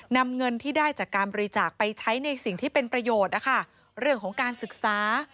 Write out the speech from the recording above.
นำเงินที่ได้จากการบริจาคไปใช้ในสิ่งที่เป็นประโยชน์นะคะเรื่องของการศึกษา